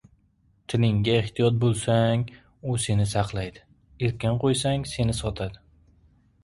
• Tilingga ehtiyot bo‘lsang — u seni saqlaydi, erkin qo‘ysang — seni sotadi.